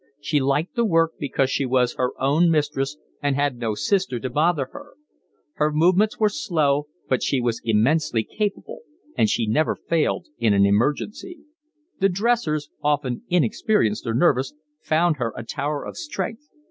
She liked the work because she was her own mistress and had no sister to bother her. Her movements were slow, but she was immensely capable and she never failed in an emergency. The dressers, often inexperienced or nervous, found her a tower of strength.